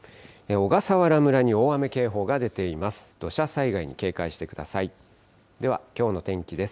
小笠原村に大雨警報が出ています。